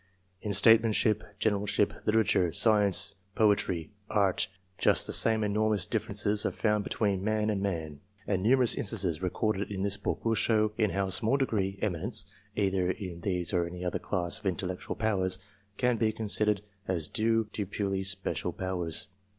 In statesmanship, generalship, literature, science, poetry, art, just the same enormous differences are found between man and man ; and numerous instances recorded in this book, will show in how small degree, eminence, either in these or any other class of intellectual powers, can be con sidered as due to purely special powers.